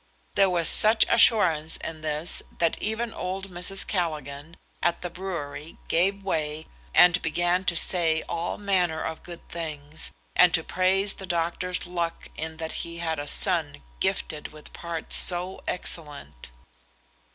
There was such assurance in this that even old Mrs. Callaghan, at the brewery, gave way, and began to say all manner of good things, and to praise the doctor's luck in that he had a son gifted with parts so excellent.